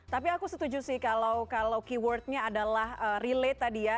tapi aku setuju sih kalau keywordnya adalah relate tadi ya